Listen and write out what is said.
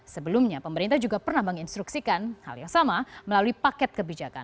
sebelumnya pemerintah juga pernah menginstruksikan hal yang sama melalui paket kebijakan